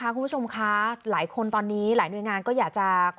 คุณผู้ชมคะหลายคนตอนนี้หลายหน่วยงานก็อยากจะ